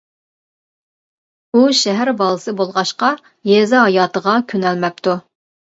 ئۇ شەھەر بالىسى بولغاچقا، يېزا ھاياتىغا كۆنەلمەپتۇ.